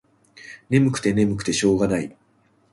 ねむくてねむくてしょうがない。